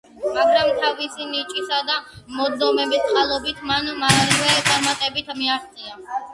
მაგრამ თავისი ნიჭისა და მონდომების წყალობით მან მალევე წარმატებებს მიაღწია.